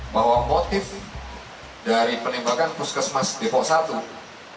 bahwa motif dari penembakan puskesmas depok satu